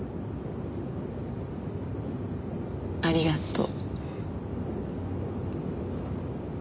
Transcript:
ありがとう。